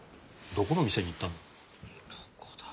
どこの店に行ったんだ？